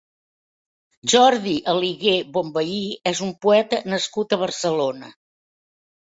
Jordi Aligué Bonvehí és un poeta nascut a Barcelona.